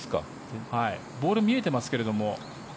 ボール見えてますけれど。